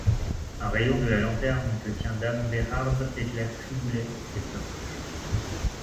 Un rayon de la lanterne que tient dame Bérarde éclaire Triboulet et Blanche.